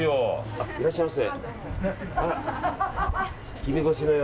あ、いらっしゃいませ。